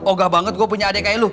ogah banget gue punya adik kayak lo